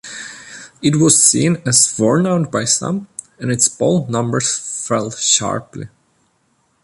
It was seen as worn-out by some, and its poll numbers fell sharply.